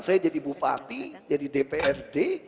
saya jadi bupati jadi dprd